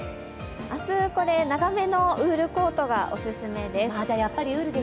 明日、長めのウールコートがオススメです。